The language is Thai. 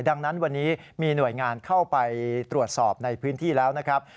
ดังนั้นวันนี้มีหน่วยงานเข้าไปตรวจสอบในพื้นที่แล้วนะครับ